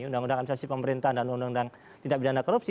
undang undang administrasi pemerintahan dan undang undang tindak bidana korupsi